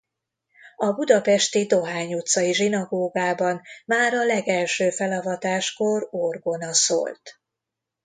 A budapesti Dohány utcai zsinagógában már a legelső felavatáskor orgona szólt.